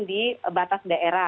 di batas daerah